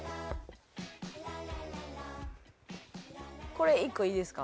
これ１個いいですか？